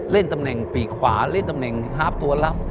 เล่นตำแหน่งปีกขวาเล่นตำแหน่งฮาร์ฟตัวลับ